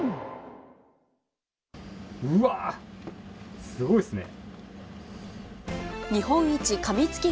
うわっ、すごいですね。